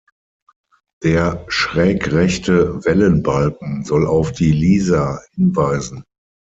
Der schrägrechte Wellenbalken soll auf die Lieser hinweisen.